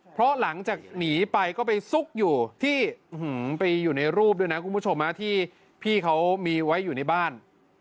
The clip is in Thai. เพราะหลังจากหนีไปก็ไปซุกอยู่ที่ไปอยู่ในรูปด้วยนะคุณผู้ชมที่พี่เขามีไว้อยู่ในบ้าน